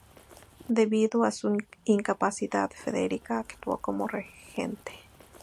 Debido a su incapacidad, Federica actuó como regente.